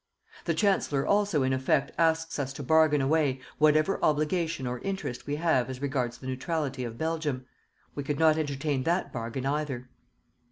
The Chancellor also in effect asks us to bargain away whatever obligation or interest we have as regards the neutrality of Belgium. We could not entertain that bargain either.